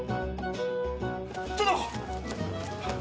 殿！